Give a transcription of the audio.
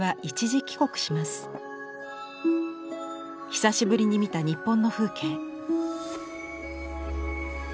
久しぶりに見た日本の風景。